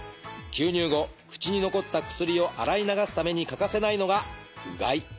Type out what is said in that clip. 吸入後口に残った薬を洗い流すために欠かせないのが「うがい」。